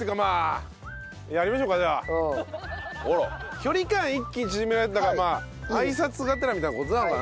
距離感一気に縮められるってだからまああいさつがてらみたいな事なのかな。